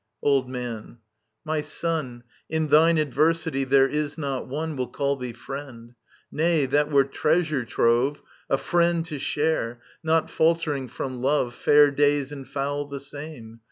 Old Man. My son. In thine adversity, there is not one Will call thee friend. Nay, that were treasure trove, A friend to share, not Altering firom love, Faif days and foul the same.